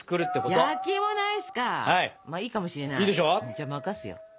じゃあ任すよ。